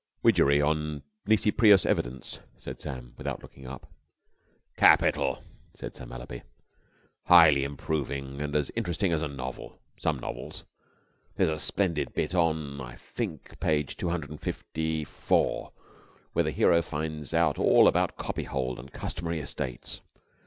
"Widgery on Nisi prius Evidence," said Sam, without looking up. "Capital!" said Sir Mallaby. "Highly improving and as interesting as a novel some novels. There's a splendid bit on, I think, page two hundred and fifty four where the hero finds out all about Copyhold and Customary Estates.